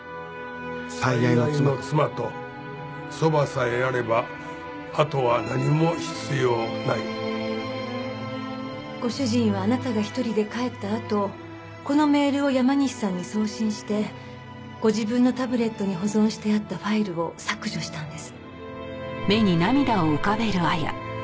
「最愛の妻と蕎麦さえあればあとは何も必要ない」ご主人はあなたが１人で帰ったあとこのメールを山西さんに送信してご自分のタブレットに保存してあったファイルを削除したんです。